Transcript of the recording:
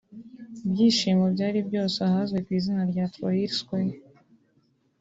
Ibyishimo byari byose ahazwi ku izina rya Tahrir square